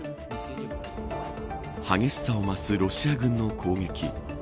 激しさを増すロシア軍の攻撃。